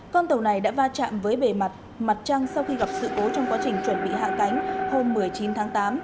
con tàu này đã va chạm với bề mặt mặt trăng sau khi gặp sự cố trong quá trình chuẩn bị hạ cánh hôm một mươi chín tháng tám